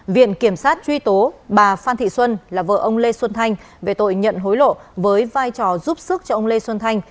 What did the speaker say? viện kiểm sát truy tố bà phan thị xuân là vợ ông lê xuân thanh về tội nhận hối lộ với vai trò giúp sức cho ông lê xuân thanh